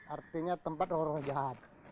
artinya tempat horoh jahat